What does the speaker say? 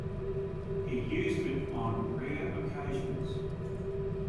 He used it on rare occasions.